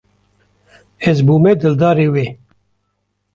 Ez bûme dildarê wê.